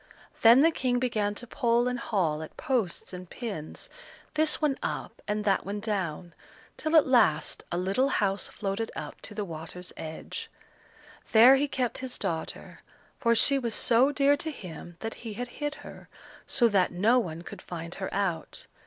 Then the King began to pull and haul at posts and pins, this one up and that one down, till at last a little house floated up to the water's edge. There he kept his daughter, for she was so dear to him that he had hid her, so that no one could find her out.